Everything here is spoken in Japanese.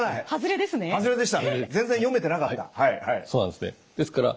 そうなんですね。